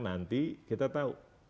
nanti kita tahu